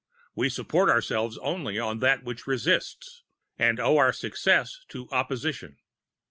"We support ourselves only on that which resists," and owe our success to opposition.